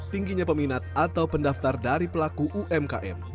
tingginya peminat atau pendaftar dari pelaku umkm